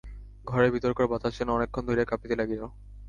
ঘরের ভিতরকার বাতাস যেন অনেকক্ষণ ধরিয়া কাঁপিতে লাগিল।